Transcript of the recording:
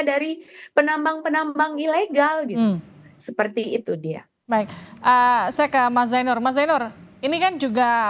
dari penambang penambang ilegal seperti itu dia baik saya ke mazainur mazainur ini kan juga